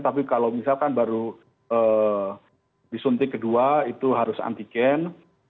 tapi kalau misalkan baru disuntik kedua itu harus antigen